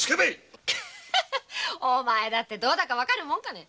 お前だってどうだかわかるもんかね。